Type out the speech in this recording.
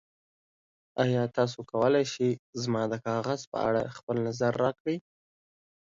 ایا تاسو کولی شئ زما د کاغذ په اړه خپل نظر راکړئ؟